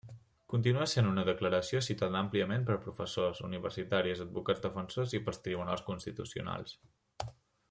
Continua sent una declaració citada àmpliament per professors, universitaris, advocats defensors i pels tribunals constitucionals.